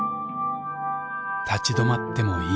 立ち止まってもいい。